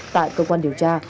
tại cơ quan điều tra